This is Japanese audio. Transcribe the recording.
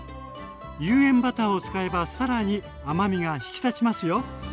有塩バターを使えば更に甘みが引き立ちますよ。